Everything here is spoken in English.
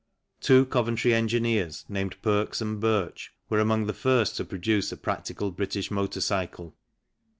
Two Coventry engineers, named Perks and Birch, were among the first to produce a practical British motor cycle.